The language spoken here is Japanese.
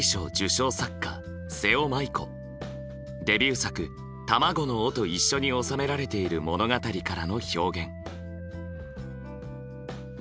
デビュー作「卵の緒」と一緒に収められている物語からの表現。